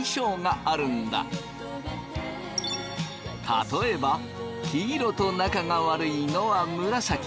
例えば黄色と仲が悪いのは紫。